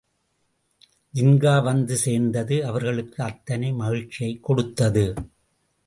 ஜின்கா வந்து சேர்ந்தது அவர்களுக்கு அத்தனை மகிழ்ச்சியைக் கொடுத்தது.